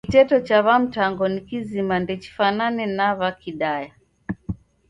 Kiteto cha W'aMtango ni kizima ndechifwanane na W'aKidaya.